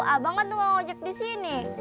abang kan tunggal ngajak di sini